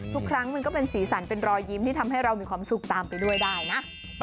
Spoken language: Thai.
ทุกครั้งมันก็เป็นสีสันเป็นรอยยิ้มที่ทำให้เรามีความสุขตามไปด้วยได้นะ